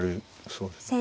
そうですね。